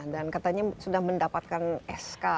dan katanya sudah mendapatkan sk